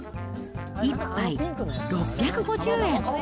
１杯６５０円。